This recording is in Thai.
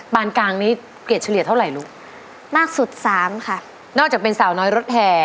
ปานกลางนี้เกษตรชุเรียสเท่าไหร่ลูกมากสุด๓ค่ะนอกจากเป็นสาวน้อยรถแห่